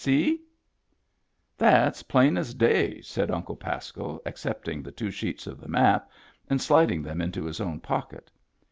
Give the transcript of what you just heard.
See ?" "That's plain as day," said Uncle Pasco, ac cepting the two sheets of the map and sliding them into his own pocket.